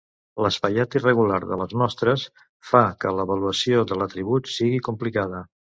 L'espaiat irregular de les mostres fa que l'avaluació de l'atribut sigui complicada.